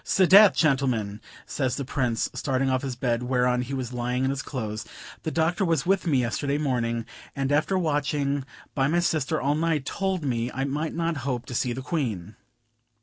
"'Sdeath! gentlemen," says the Prince, starting off his bed, whereon he was lying in his clothes, "the Doctor was with me yesterday morning, and after watching by my sister all night, told me I might not hope to see the Queen."